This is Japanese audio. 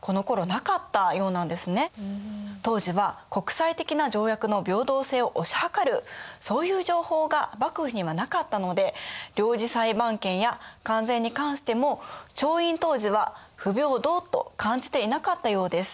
当時は国際的な条約の平等性を推し量るそういう情報が幕府にはなかったので領事裁判権や関税に関しても調印当時は不平等と感じていなかったようです。